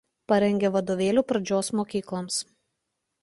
Parengė vadovėlių pradžios mokykloms.